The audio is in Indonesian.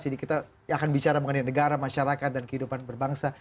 jadi kita akan bicara mengenai negara masyarakat dan kehidupan berbangsa